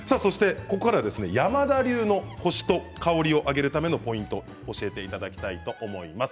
ここからは山田流のコシと香りを上げるためのポイントを教えていただきたいと思います。